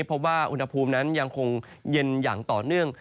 เพราะว่าอุณหภูมินั้นยังคงเย็นอย่างต่อเนื่อง